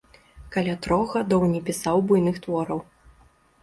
Каля трох гадоў не пісаў буйных твораў.